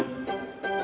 nanti kita pergi